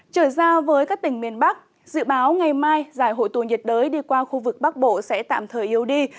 trở ra với các tỉnh miền bắc dự báo ngày mai giải hội tù nhiệt đới đi qua khu vực bắc bộ sẽ tạm thời yếu đi